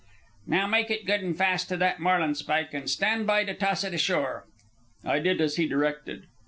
"Now make it good and fast to that marlinspike, and stand by to toss it ashore." I did as he directed.